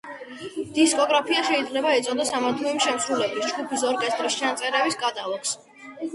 დისკოგრაფია შესაძლოა ეწოდოს ამა თუ იმ შემსრულებლის, ჯგუფის, ორკესტრის ჩანაწერების კატალოგს.